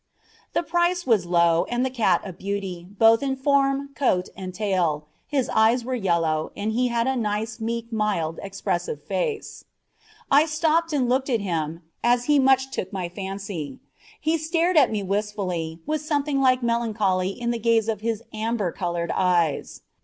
The price was low and the cat "a beauty," both in form, coat, and tail, his eyes were yellow, and he had a nice, meek, mild, expressive face. I stopped and looked at him, as he much took my fancy. He stared at me wistfully, with something like melancholy in the gaze of his amber coloured eyes.